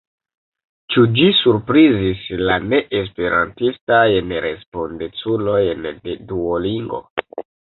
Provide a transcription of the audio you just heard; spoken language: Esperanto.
Ĉu ĝi surprizis la neesperantistajn respondeculojn de Duolingo?